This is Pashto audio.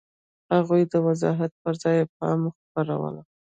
هغوی د وضاحت پر ځای ابهام خپرولو.